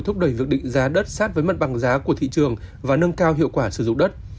thúc đẩy việc định giá đất sát với mặt bằng giá của thị trường và nâng cao hiệu quả sử dụng đất